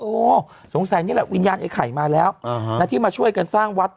สงสัยนี่แหละวิญญาณไอ้ไข่มาแล้วที่มาช่วยกันสร้างวัด